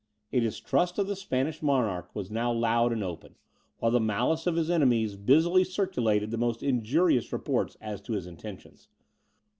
A distrust of the Swedish monarch was now loud and open, while the malice of his enemies busily circulated the most injurious reports as to his intentions.